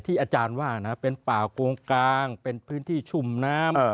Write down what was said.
อาจารย์ว่านะเป็นป่าโกงกลางเป็นพื้นที่ชุ่มน้ำ